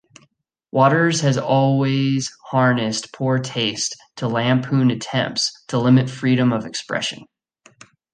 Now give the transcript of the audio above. Waters has always harnessed poor taste to lampoon attempts to limit freedom of expression.